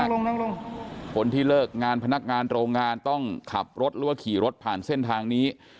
ลงคนที่เลิกงานพนักงานโรงงานต้องขับรถหรือว่าขี่รถผ่านเส้นทางนี้